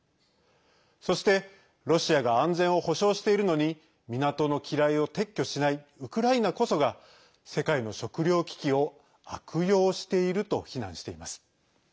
そして、ロシアが安全を保障しているのに港の機雷を撤去しないウクライナこそが世界の食糧危機を悪用していると非難しています。